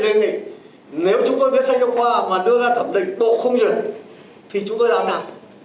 nhưng người ta để đề nghị nếu chúng tôi viết sách giáo khoa mà đưa ra thẩm định bộ không dựa thì chúng tôi làm nào